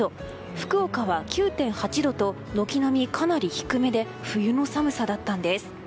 福岡は９．８度と軒並みかなり低めで冬の寒さだったんです。